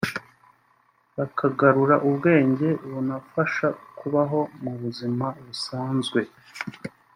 bakagarura ubwenge bunabafasha kubaho mu buzima busanzwe